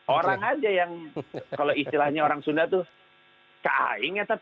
orang aja yang kalau istilahnya orang sunda tuh kaing ya